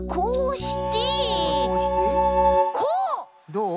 どう？